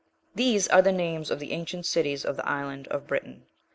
These are the names of the ancient cities of the island of Britain.